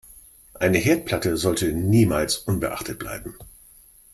Eine Herdplatte sollte niemals unbeachtet bleiben.